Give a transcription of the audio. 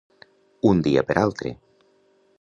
Un dia per altre.